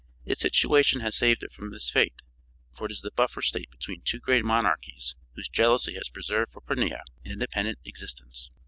Its situation has saved it from this fate, for it is the buffer state between two great monarchies whose jealousy has preserved for Pornia an independent existence.